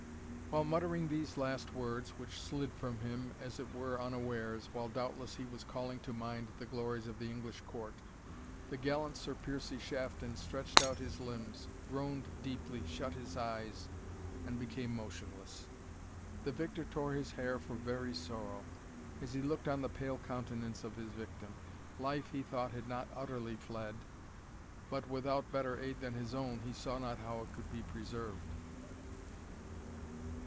While muttering these last words, which slid from him, as it were unawares, while doubtless he was calling to mind the glories of the English court, the gallant Sir Piercie Shafton stretched out his limbs groaned deeply, shut his eyes, and became motionless. The victor tore his hair for very sorrow, as he looked on the pale countenance of his victim. Life, he thought, had not utterly fled, but without better aid than his own, he saw not how it could be preserved.